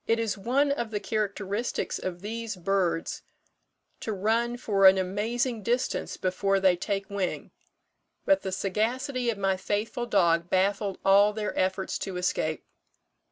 "It is one of the characteristics of these birds to run for an amazing distance before they take wing; but the sagacity of my faithful dog baffled all their efforts to escape.